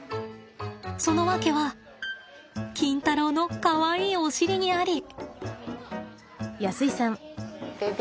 その訳はキンタロウのかわいいお尻にあり。